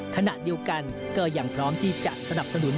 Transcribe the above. ขณะเดียวกันก็ยังพร้อมที่จะสนับสนุน